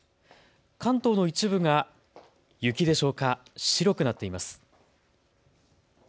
関東の一部が雪でしょうか、白くなっています。